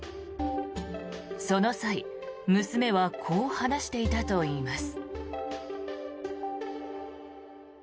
その際、娘はこう話していたといいます。